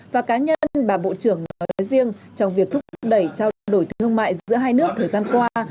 và cá nhân bà bộ trưởng nói riêng trong việc thúc đẩy trao đổi thương mại giữa hai nước thời gian qua